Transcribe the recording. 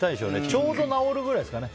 ちょうど治るぐらいですかね。